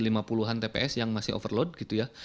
ada puluhan tps yang masih overload gitu ya